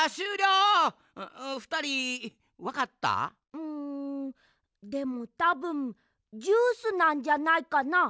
うんでもたぶんジュースなんじゃないかな？